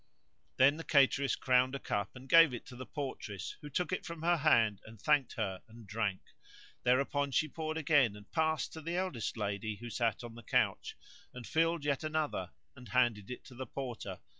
Then the cateress crowned a cup and gave it to the portress, who took it from her hand and thanked her and drank. Thereupon she poured again and passed to the eldest lady who sat on the couch, and filled yet another and handed it to the Porter.